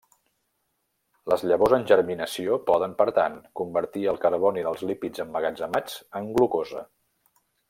Les llavors en germinació poden, per tant, convertir el carboni dels lípids emmagatzemats en glucosa.